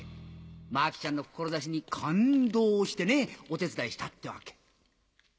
マキちゃんの志に感動してねお手伝いしたってわけ。